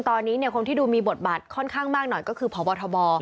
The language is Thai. ตอนนี้คนที่ดูมีบทบาทค่อนข้างมากหน่อยก็คือพบทบ